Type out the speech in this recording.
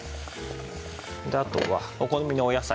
あとはお好みのお野菜。